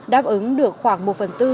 đáp ứng được khoảng một phần tư